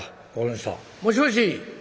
もしもし。